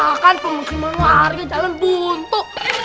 ya kan pemusiman lari jalan buntu